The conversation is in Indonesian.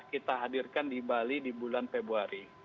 kita hadirkan di bali di bulan februari